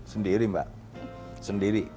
sendiri mbak sendiri